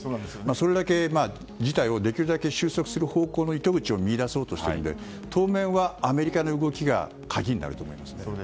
それだけ事態をできるだけ収束する方向の糸口を見いだそうとしているので当面はアメリカの動きが鍵になると思います。